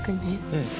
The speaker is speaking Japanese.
うん。